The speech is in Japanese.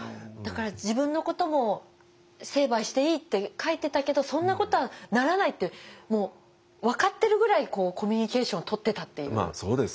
だから自分のことも成敗していいって書いてたけどそんなことはならないってもう分かってるぐらいコミュニケーションをとってたっていう。